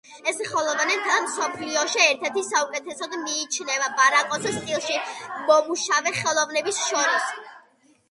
ეს ხელოვანი მთელ მსოფლიოში ერთ-ერთ საუკეთესოდ მიიჩნევა ბაროკოს სტილში მომუშავე ხელოვნებს შორის.